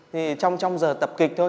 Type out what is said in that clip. thì trong giờ tập kịch thôi